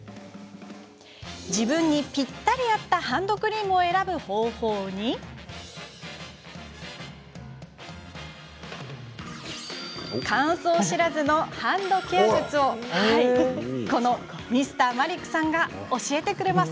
自分にぴったり合ったハンドクリームを選ぶ方法に乾燥知らずのハンドケア術をこのＭｒ．マリックさんが教えてくれます。